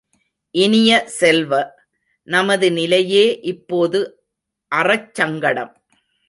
இனிய செல்வ, நமது நிலையே இப்போது அறச்சங்கடம்!